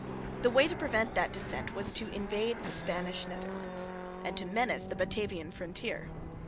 The way to prevent that descent was to invade the Spanish Netherlands, and to menace the Batavian frontier.